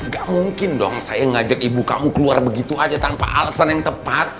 gak mungkin dong saya ngajak ibu kamu keluar begitu aja tanpa alasan yang tepat